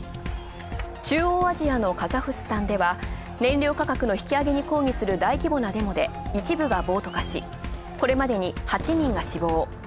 中央アジアのカザフスタンでは燃料価格の引き上げに抗議する大規模なデモで一部が暴徒化し、これまでに８人が死亡。